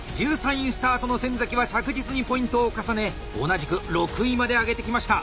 １３位スタートの先は着実にポイントを重ね同じく６位まで上げてきました。